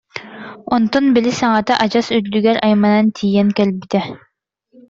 Онтон били саҥата адьас үрдүгэр айманан тиийэн кэлбитэ